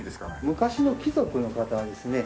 昔の貴族の方はですね